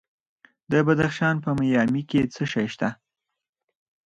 د بدخشان په مایمي کې څه شی شته؟